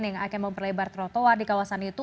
yang akan memperlebar trotoar di kawasan itu